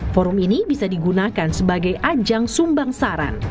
forum ini bisa digunakan sebagai ajang sumbang saran